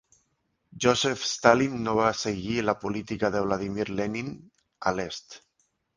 Joseph Stalin no va seguir la política de Vladimir Lenin a l'est.